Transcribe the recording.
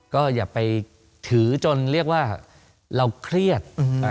ก็อย่าไปถือจนเรียกว่าเราเครียด